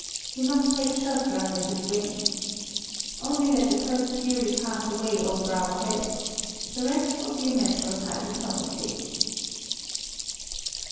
We must take shelter under his wings. Only let the first fury pass away over our heads; the rest will be a matter of high diplomacy."